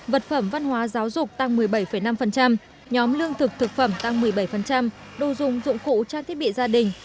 vật phẩm văn hóa giáo dục tăng một mươi bảy năm nhóm lương thực thực phẩm tăng một mươi bảy đồ dùng dụng cụ trang thiết bị gia đình